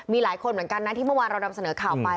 มีหลายคนเหมือนกันนะที่เมื่อวานเรานำเสนอข่าวไป